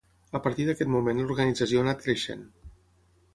A partir d'aquest moment l'organització ha anat creixent.